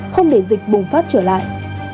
không để dịch bùng phát trở lại